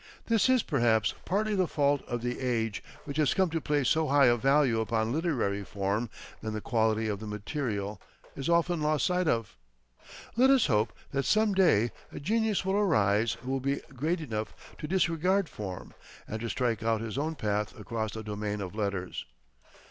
This is, perhaps, partly the fault of the age, which has come to place so high a value upon literary form that the quality of the material is often lost sight of. Let us hope that some day a genius will arise who will be great enough to disregard form and to strike out his own path across the domain of letters.